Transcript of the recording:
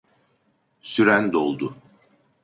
Süren doldu.